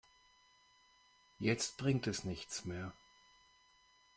Jetzt bringt es nichts mehr.